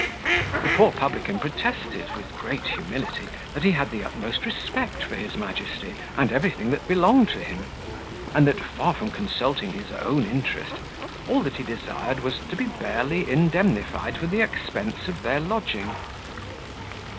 The poor publican protested, with great humility, that he had the utmost respect for his majesty, and everything that belonged to him; and that, far from consulting his own interest, all that he desired was, to be barely indemnified for the expense of their lodging.